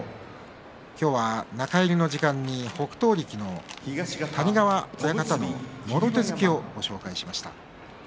今日は中入りの時間に北勝力の谷川親方のもろ手突きをご紹介しました。